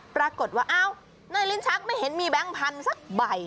ปรากฏว่าอ้าวในลิ้นชักไม่เห็นมีแบงค์พันธุ์สักใบ